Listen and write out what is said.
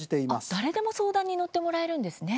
誰でも相談に乗ってもらえるんですね。